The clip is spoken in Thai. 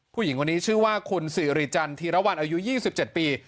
ผู้หญิงวันนี้ชื่อว่าคุณสิริจันทีระวันอายุยี่สิบเจ็ดปี